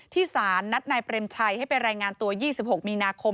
สารนัดนายเปรมชัยให้ไปรายงานตัว๒๖มีนาคม